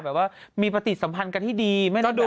แบบว่ามีประติศสัมพันธ์กันที่ดี